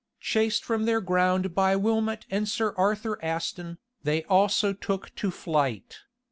Chased from their ground by Wilmot and Sir Arthur Aston, they also took to flight.